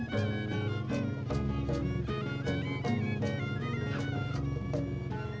terima kasih pak